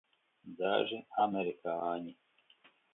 Daži amerikāņi.